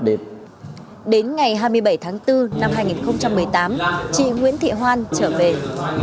trước đó ngày ba tháng bốn năm hai nghìn một mươi tám nhận được tin báo của quần chúng nhân dân cung cấp về việc